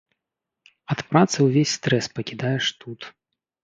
Ад працы ўвесь стрэс пакідаеш тут.